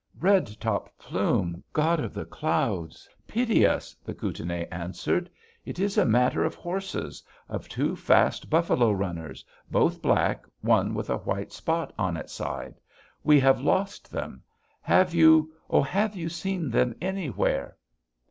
"'Red Top Plume! God of the clouds! Pity us!' the Kootenai answered. 'It is a matter of horses; of two fast buffalo runners; both black; one with a white spot on its side. We have lost them. Have you oh, have you seen them anywhere?'